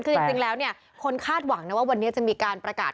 คือจริงแล้วเนี่ยคนคาดหวังนะว่าวันนี้จะมีการประกาศ